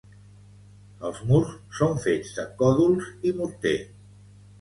Els murs són fets de còdols i morter.